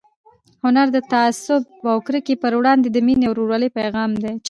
هنر د تعصب او کرکې پر وړاندې د مینې او ورورولۍ پيغام دی.